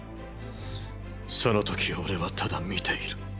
その時俺はただ見ている。